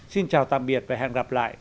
xin chào tạm biệt và hẹn gặp lại